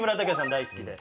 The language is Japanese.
大好きで。